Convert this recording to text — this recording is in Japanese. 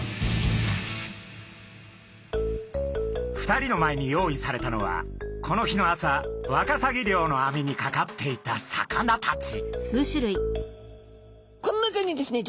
２人の前に用意されたのはこの日の朝ワカサギ漁のあみにかかっていた魚たち。